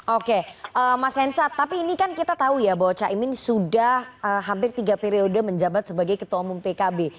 oke mas hensat tapi ini kan kita tahu ya bahwa caimin sudah hampir tiga periode menjabat sebagai ketua umum pkb